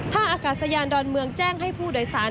ถ้าอากาศยานดอนเมืองแจ้งให้ผู้โดยสาร